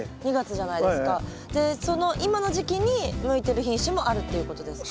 その今の時期に向いてる品種もあるっていうことですか？